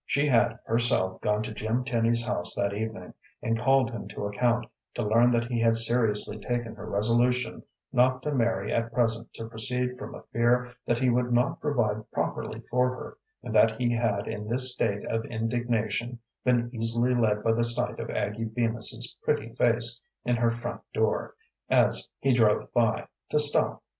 She had herself gone to Jim Tenny's house that evening, and called him to account, to learn that he had seriously taken her resolution not to marry at present to proceed from a fear that he would not provide properly for her, and that he had in this state of indignation been easily led by the sight of Aggie Bemis's pretty face in her front door, as he drove by, to stop.